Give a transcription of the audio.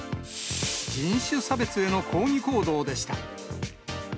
人種差別への抗議行動でした。